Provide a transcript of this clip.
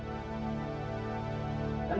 dan dengarkan apa yang dikatakan pak purn